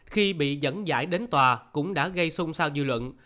khi bị dẫn dãi đến tòa cũng đã gây sung sao dư luận